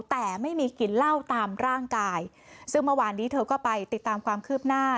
แต่ไม่มีกินเหล้าตามร่างกายซึ่งเมื่อวานนี้เธอก็ไปติดตามความคืบหน้า